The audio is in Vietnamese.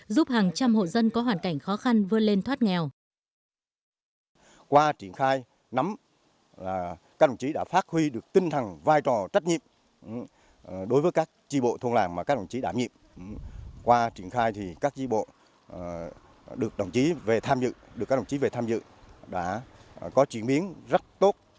giúp hàng trăm hộ dân có hoàn cảnh khó khăn vươn lên thoát nghèo